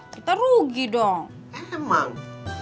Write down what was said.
kita rugi dong